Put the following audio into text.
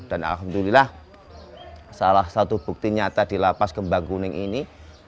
dan alhamdulillah salah satu bukti nyata di lapas kembang kuning ini